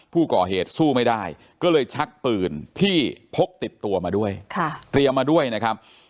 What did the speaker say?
ผู้ก่อเหตุสู้ไม่ได้ก็เลยชักปืนที่พกติดตัวมาด้วยเตรียมมาด้วยนะครับ